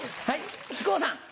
はい。